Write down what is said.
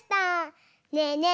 ねえねえ